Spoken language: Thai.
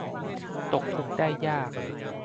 ตกทุกข์ได้ยาก